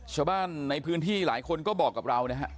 ชาวบ้านในพื้นที่หลายคนก็บอกกับเรานะฮะ